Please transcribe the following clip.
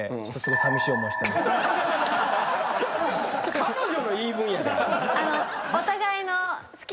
彼女の言い分やで。